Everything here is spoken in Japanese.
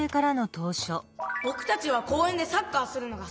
ぼくたちは公園でサッカーするのが好きです！